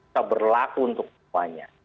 seberlaku untuk semuanya